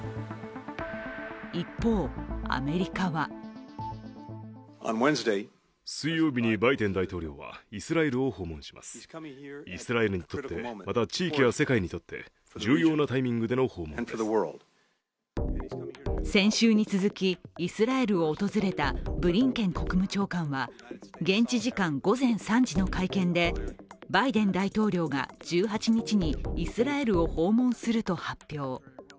一方、アメリカは先週に続きイスラエルを訪れたブリンケン国務長官は、現地時間午前３時の会見で、バイデン大統領が１８日にイスラエルを訪問すると発表。